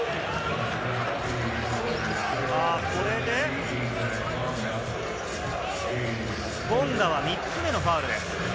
これでボンガは３つ目のファウルです。